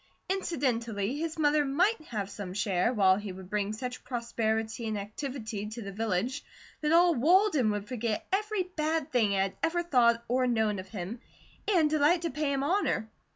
Incidentally, his mother might have some share, while he would bring such prosperity and activity to the village that all Walden would forget every bad thing it had ever thought or known of him, and delight to pay him honour.